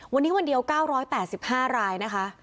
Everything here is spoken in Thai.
วันนี้วันเดียว๙๘๕รายนะคะ